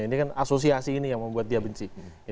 ini kan asosiasi ini yang membuat dia benci